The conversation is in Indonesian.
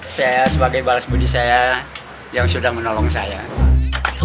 saya sebagai balas budi saya yang sudah menolong saya